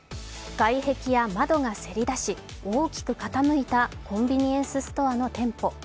外壁や窓がせり出し大きく傾いたコンビニエンスストアの店舗。